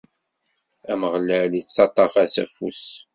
Ameɣlal ittaṭṭaf-as afus.